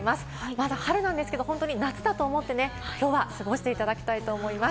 まだ春なんですけど、夏だと思って今日は過ごしていただきたいと思います。